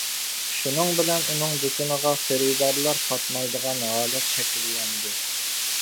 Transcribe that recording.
شۇنىڭ بىلەن ئۇنىڭ دۇكىنىغا خېرىدارلار پاتمايدىغان ھالەت شەكىللەندى.